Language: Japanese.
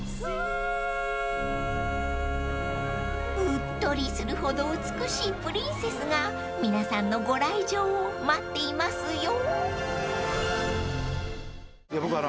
［うっとりするほど美しいプリンセスが皆さんのご来場を待っていますよ］